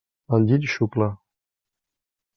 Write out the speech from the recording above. El llit xucla.